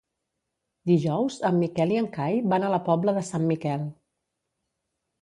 Dijous en Miquel i en Cai van a la Pobla de Sant Miquel.